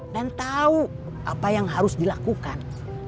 dan tahu apa yang harus dilakukan